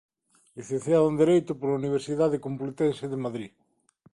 Licenciado en Dereito pola Universidade Complutense de Madrid.